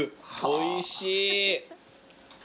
おいしい。